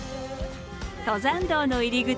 登山道の入り口